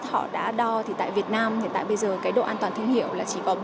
họ đã đo thì tại việt nam hiện tại bây giờ cái độ an toàn thương hiệu là chỉ có bốn mươi